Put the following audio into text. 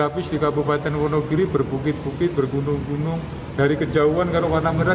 lapis di kabupaten wonogiri berbukit bukit bergunung gunung dari kejauhan kalau warna merah